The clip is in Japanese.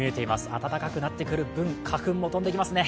暖かくなってくる分、花粉も飛んできますね。